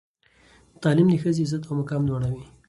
تعلیم د ښځې عزت او مقام لوړوي.